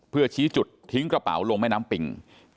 เพื่อชี้จุดทิ้งกระเป๋าลงแม่น้ำปิ่ง